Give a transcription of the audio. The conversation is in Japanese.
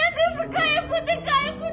かゆくてかゆくて！